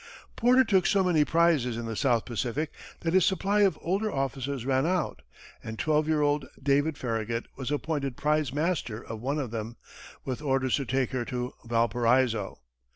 Porter took so many prizes in the South Pacific that his supply of older officers ran out, and twelve year old David Farragut was appointed prize master of one of them, with orders to take her to Valparaiso.